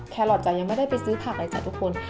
แคลอทจ้ะยังไม่ได้ไปซื้อผักเลยจ้ะทุกคน